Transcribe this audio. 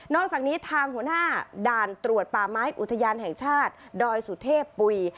อกจากนี้ทางหัวหน้าด่านตรวจป่าไม้อุทยานแห่งชาติดอยสุเทพปุ๋ย